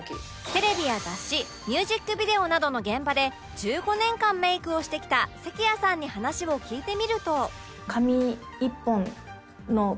テレビや雑誌ミュージックビデオなどの現場で１５年間メイクをしてきた関谷さんに話を聞いてみると